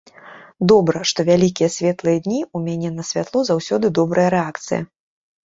Добра, што вялікія светлыя дні, у мяне на святло заўсёды добрая рэакцыя.